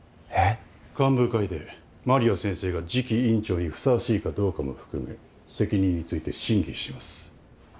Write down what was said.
えっ？幹部会で麻里亜先生が次期院長にふさわしいかどうかも含め責任について審議します。